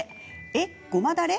えっごまだれ？